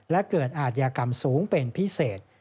และเกิดอาทยากรรมสูงเป็นพิเศษ